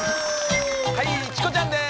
はいチコちゃんです！